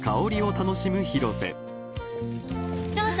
どうぞ。